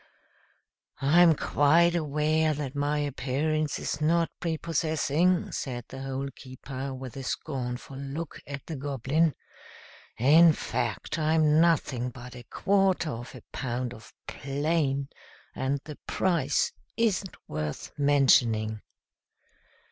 "I'm quite aware that my appearance is not prepossessing," said the Hole keeper, with a scornful look at the Goblin. "In fact, I'm nothing but a quarter of a pound of 'plain,' and the price isn't worth mentioning."